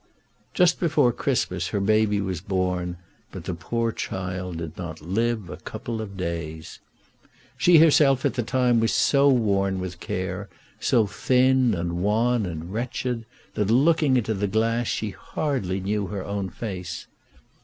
Just before Christmas her baby was born, but the poor child did not live a couple of days. She herself at the time was so worn with care, so thin and wan and wretched, that looking in the glass she hardly knew her own face.